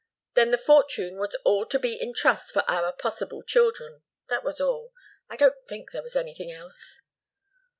Then the fortune was all to be in trust for our possible children. That was all. I don't think there was anything else."